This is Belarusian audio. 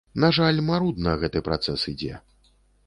На жаль, марудна гэты працэс ідзе.